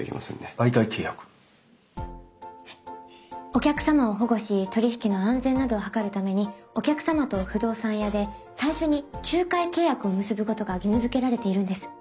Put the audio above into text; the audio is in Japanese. お客様を保護し取り引きの安全などを図るためにお客様と不動産屋で最初に仲介契約を結ぶことが義務付けられているんです。